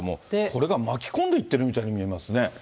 これが巻き込んでいってるみたいに見えますね。